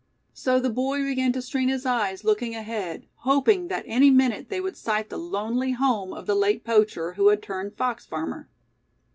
So the boy began to strain his eyes, looking ahead, hoping that any minute they would sight the lonely home of the late poacher, who had turned fox farmer.